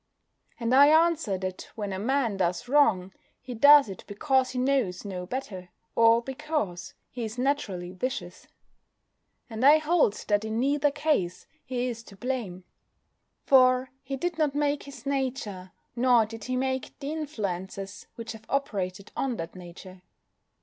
And I answer that when a man does wrong he does it because he knows no better, or because he is naturally vicious. And I hold that in neither case is he to blame: for he did not make his nature, nor did he make the influences which have operated on that nature.